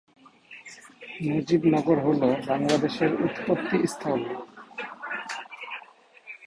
মুজিবনগর হলো বাংলাদেশের উৎপত্তিস্থল।